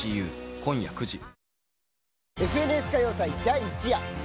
「ＦＮＳ歌謡祭」、第１夜。